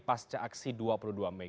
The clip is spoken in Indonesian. pasca aksi dua puluh dua mei